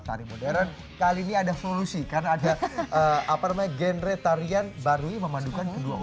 tari modern kali ini ada solusi karena ada apa namanya genre tarian baru yang memandukan kedua